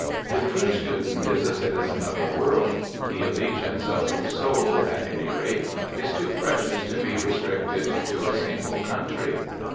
The true student is a citizen of the world, the allegiance of whose soul, at any rate, is too precious to be restricted to a single country.